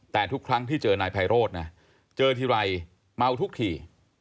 แต่ทุกครั้งที่เจอนายไพโรธนะเจอทีไรเมาทุกที